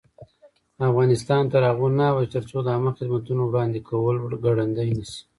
افغانستان تر هغو نه ابادیږي، ترڅو د عامه خدماتو وړاندې کول ګړندی نشي.